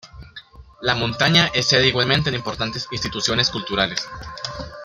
La montaña es sede igualmente de importantes instituciones culturales.